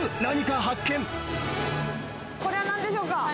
これはなんでしょうか？